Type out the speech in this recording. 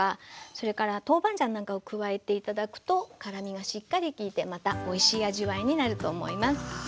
それから豆板醤なんかを加えて頂くと辛みがしっかり利いてまたおいしい味わいになると思います。